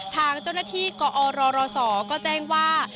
ทางเจ้าหน้าที่กอรศก็แจ้งว่า